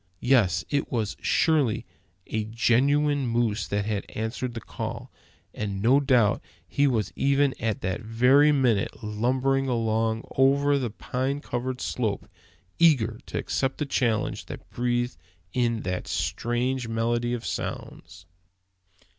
Yes, it was surely a genuine moose that had answered the call; and no doubt he was even at that very minute lumbering along over the pine covered slope, eager to accept the challenge that breathed in that strange medley of sounds!